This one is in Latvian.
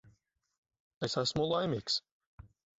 Es esmu laimīgs.